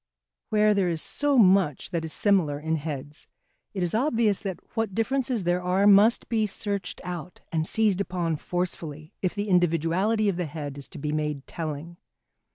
Where there is so much that is similar in heads, it is obvious that what differences there are must be searched out and seized upon forcefully, if the individuality of the head is to be made telling.